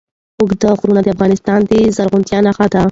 اوږده غرونه د افغانستان د زرغونتیا نښه ده.